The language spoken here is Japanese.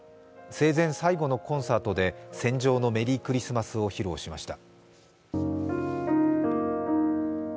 生前最後のコンサートでは「戦場のメリークリスマス」を披露しました。